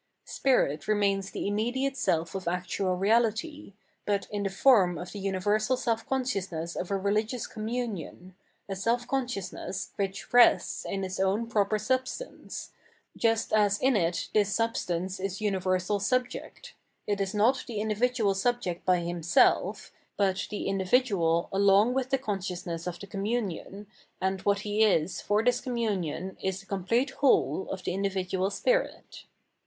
Spirit remaiiis the immediate self of actual reality, but m the form of the universal self consciousness of a religioim com munion,* a self consciousness which rests in its own proper substance, just as in it this substance is um versal subject; it is not the individual subject by himself, but the individual along with the consciousness of the communion, and what he is for this commumon is the complete whole of the individual spirit.